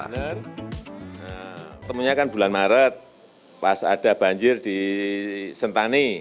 ketemunya kan bulan maret pas ada banjir di sentani